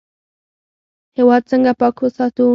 هیواد څنګه پاک وساتو؟